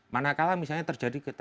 manakala misalnya terjadi